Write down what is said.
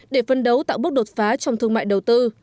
để phân đấu tạo bước đột phá trong thương mại đầu tư